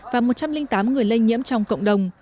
và một trăm linh tám người lây nhiễm trong cộng đồng